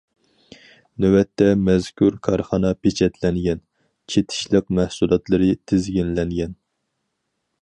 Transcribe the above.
نۆۋەتتە مەزكۇر كارخانا پېچەتلەنگەن، چېتىشلىق مەھسۇلاتلىرى تىزگىنلەنگەن.